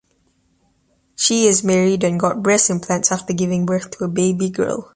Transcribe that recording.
She is married and got breast implants after giving birth to a baby girl.